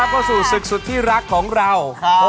ขอต้อนรับสุดที่รักของเรา